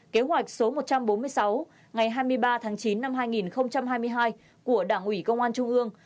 kế hoạch số một trăm bốn mươi sáu ngày hai mươi ba tháng chín năm hai nghìn hai mươi hai của đảng ủy công an trung ương